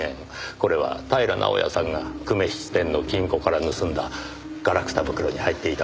これは平直哉さんが久米質店の金庫から盗んだガラクタ袋に入っていたものですね？